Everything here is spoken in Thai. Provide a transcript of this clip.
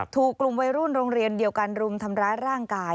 ถูกกลุ่มวัยรุ่นโรงเรียนเดียวกันรุมทำร้ายร่างกาย